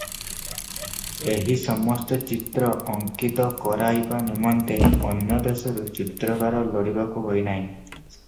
ଏହି ସମସ୍ତ ଚିତ୍ର ଅଙ୍କିତ କରାଇବା ନିମନ୍ତେ ଅନ୍ୟଦେଶରୁ ଚିତ୍ରକାର ଲୋଡ଼ିବାକୁ ହୋଇନାହିଁ ।